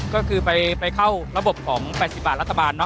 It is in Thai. ก็คือไปเข้าระบบของ๘๐บาทรัฐบาล